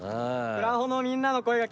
プラホのみんなの声が。